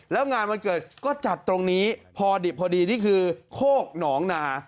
แล้วงานวันเกิดก็จัดตรงนี้พอดิบพอดีนี่คือโคกหนองนา